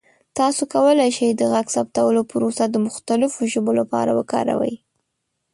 تاسو کولی شئ د غږ ثبتولو پروسه د مختلفو ژبو لپاره کاروئ.